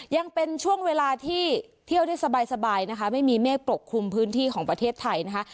ยังเป็นช่วงเวลาที่เที่ยวได้สบายนะคะไม่มีเมฆปกคลุมพื้นที่ของประเทศไทยนะคะ